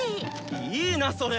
いいなぁそれ！